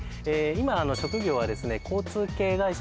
今職業はですね